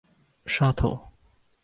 ŝato